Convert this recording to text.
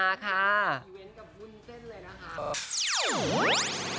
อีเวนต์กับวุ้นเส้นเลยนะคะ